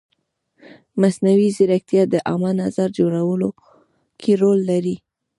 مصنوعي ځیرکتیا د عامه نظر جوړولو کې رول لري.